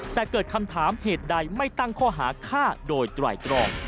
แต่เกิดคำถามเหตุใดไม่ตั้งข้อหาฆ่าโดยไตรตรอง